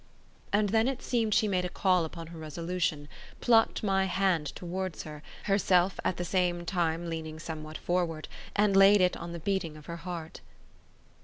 And then it seemed she made a call upon her resolution; plucked my hand towards her, herself at the same time leaning somewhat forward, and laid it on the beating of her heart.